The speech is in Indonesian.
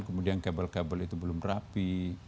kemudian kabel kabel itu belum rapi